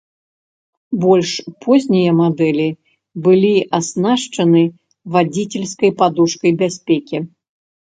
Больш познія мадэлі былі аснашчаны вадзіцельскай падушкай бяспекі.